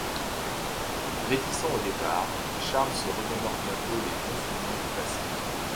Réticent au départ, Charles se remémore bientôt les bons souvenirs du passé.